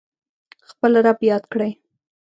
خپل رب یاد کړئ